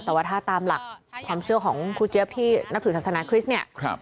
แต่ว่าถ้าตามหลักความเชื่อของครูเจี๊ยบที่นับถือศาสนาคริสต์เนี่ย